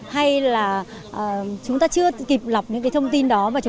hay là chúng ta chưa kịp lọc những cái thông tin đó